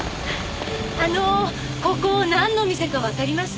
あのここなんの店かわかります？